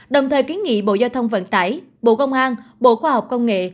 đồng thời kiến nghị bộ giao thông vận tải bộ công an bộ khoa học công nghệ